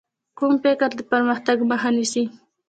کوږ فکر د پرمختګ مخ نیسي